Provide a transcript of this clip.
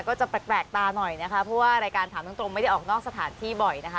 ก็จะแปลกตาหน่อยนะคะเพราะว่ารายการถามตรงไม่ได้ออกนอกสถานที่บ่อยนะคะ